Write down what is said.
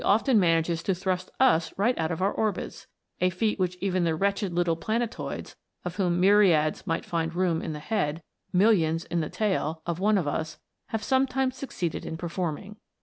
201 often manages to thrust us right out of our orbits a feat which even the wretched little planetoids, of whom myriads might find room in the head, millions in the tail, of one of us, have sometimes succeeded in performing.